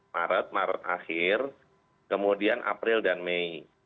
maret maret akhir kemudian april dan mei